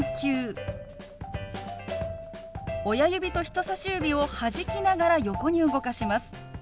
親指と人さし指をはじきながら横に動かします。